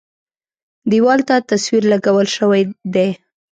دېوال ته تصویر لګول شوی دی.